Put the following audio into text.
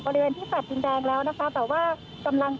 เพราะตอนนี้ก็ไม่มีเวลาให้เข้าไปที่นี่